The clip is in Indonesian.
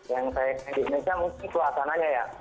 yang saya lihat di indonesia mungkin suasananya ya